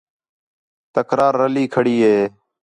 تکرار رلّی کھڑی ہِے